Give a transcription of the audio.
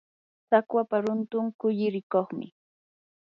tsakwapa runtun kulli rikuqmi.